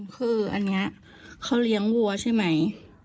คืออันนี้เขาเลี้ยงวัวใช่ไหม